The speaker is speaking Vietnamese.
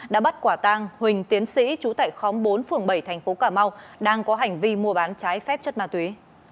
đã bắt quả tang huỳnh tiến sĩ trú tại khóm bốn phường bảy thành phố cà mau đang có hành vi mua bán trái phép chất ma túy